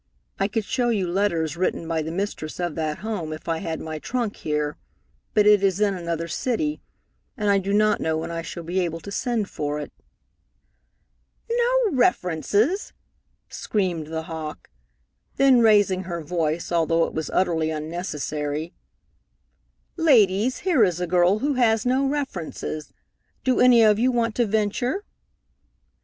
I could show you letters written by the mistress of that home if I had my trunk here, but it is in another city, and I do not know when I shall be able to send for it." "No references!" screamed the hawk, then raising her voice, although it was utterly unnecessary: "Ladies, here is a girl who has no references. Do any of you want to venture?"